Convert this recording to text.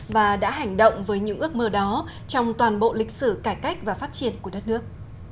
và đã hành động với những ước mơ đó trong toàn bộ lịch sử cải cách và phát triển của đất nước